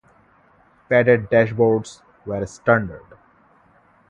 Padded dash boards were standard.